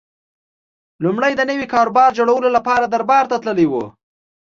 لومړی د نوي کاروبار جوړولو لپاره دربار ته تللی و